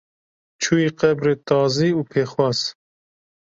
Çûyî qebrê tazî û pêxwas